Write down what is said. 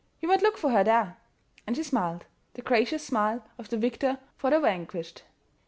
"You might look for her there." And she smiled the gracious smile of the victor for the vanquished.